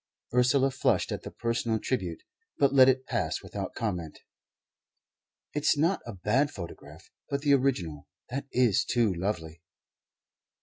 Ursula flushed at the personal tribute, but let it pass without comment. "It's not a bad photograph; but the original that is too lovely."